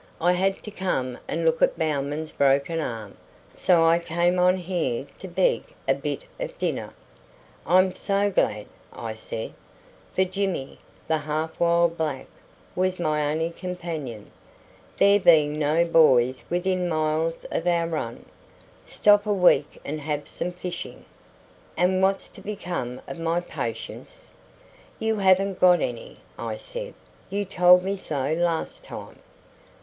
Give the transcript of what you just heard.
"I had to come and look at Bowman's broken arm, so I came on here to beg a bit of dinner." "I'm so glad!" I said: for Jimmy, the half wild black, was my only companion, there being no boys within miles of our run; "stop a week and have some fishing." "And what's to become of my patients?" "You haven't got any," I said. "You told me so last time."